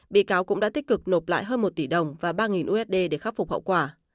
bị cáo cũng đã tích cực nộp lại hơn một tỷ đồng và ba usd để khắc phục hậu quả